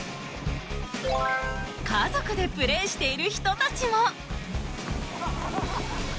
家族でプレーしている人たちも。